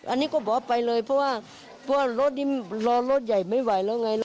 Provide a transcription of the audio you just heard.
อันนี้ก็บอกว่าไปเลยเพราะว่าเพราะว่ารถนี้รอรถใหญ่ไม่ไหวแล้วไง